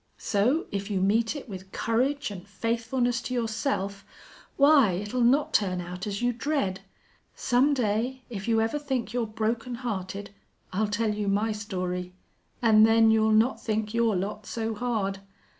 So if you meet it with courage an' faithfulness to yourself, why, it'll not turn out as you dread.... Some day, if you ever think you're broken hearted, I'll tell you my story. An' then you'll not think your lot so hard.